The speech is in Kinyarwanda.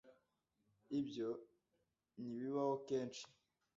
ibyo ntibibaho kenshi